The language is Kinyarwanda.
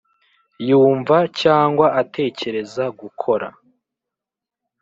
, yumva cyangwa atekereza gukora